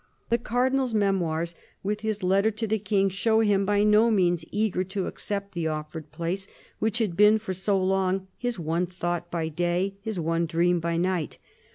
The Cardinal's Memoirs, with his letter to the King, show him by no means eager to accept the offered place which had been for so long " his one thought by day, his one dream by night."